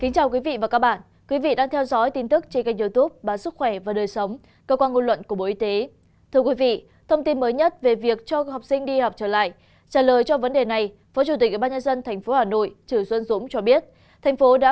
chào mừng quý vị đến với bộ phim hãy nhớ like share và đăng ký kênh của chúng mình nhé